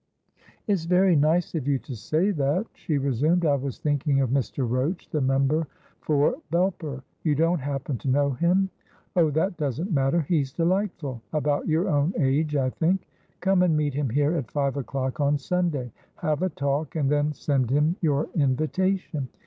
"It's very nice of you to say that," she resumed; "I was thinking of Mr. Roach, the Member for Belper. You don't happen to know him? Oh, that doesn't matter. He's delightful; about your own age, I think. Come and meet him here at five o'clock on Sunday; have a talk and then send him your invitation.